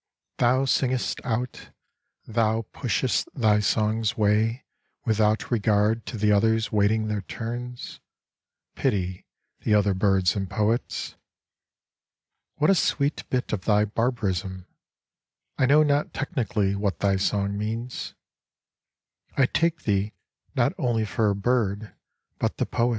Thou singest out, thou pushest thy song's way, Without regard to the others waiting their turns, (Pity the other birds and poets !) What a sweet bit of thy barbarism I I know not technically what thy song means : I take thee not only for a bird but the poet.